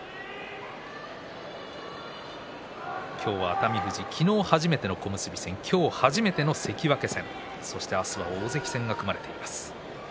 今日は熱海富士昨日、初めての小結戦今日初めての関脇戦そして明日は大関戦が組まれています。